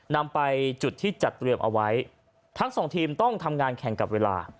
นำไปจุดที่จัดเตรียมเอาไว้ทั้งสองทีมต้องทำงานแข่งกับเวลา